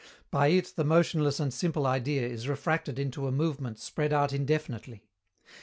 By it the motionless and simple Idea is refracted into a movement spread out indefinitely.